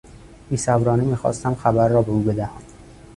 بیصبرانه میخواستم خبر را به او بدهم.